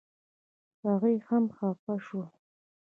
هغوی هم خپه شول.